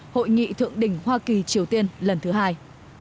hội nghị thượng đỉnh hoa kỳ triều tiên lần thứ hai